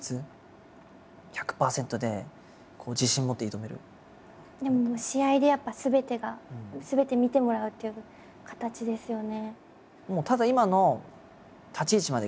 だけどそのでも試合でやっぱすべてがすべて見てもらうっていう形ですよね。